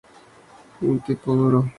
Un tipo duro.